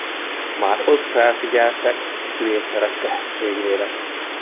Már ott felfigyeltek kivételes tehetségére.